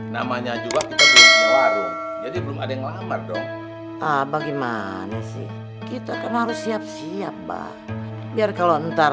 namanya juga jadi belum ada yang ngelamar dong bagaimana sih kita harus siap siap bah biar kalau ntar